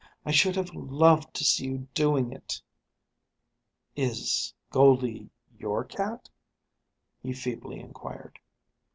I should have loved to see you doing it." "Is Goldie your cat?" he feebly inquired.